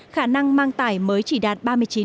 khả năng mang tải mới chỉ đạt ba mươi chín